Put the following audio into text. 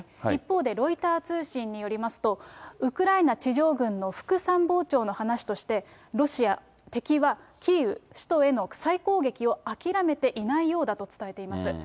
一方で、ロイター通信によりますと、ウクライナ地上軍の副参謀長の話として、ロシア、敵はキーウ、首都への再攻撃を諦めていないようだと伝えています。